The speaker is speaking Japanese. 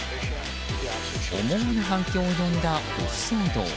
思わぬ反響を呼んだ牛騒動。